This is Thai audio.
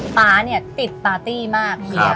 ป๊าติดปาร์ตี้มาก